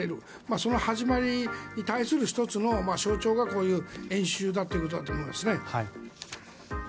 その始まりに対する１つの象徴がこういう演習だということだと思いますね。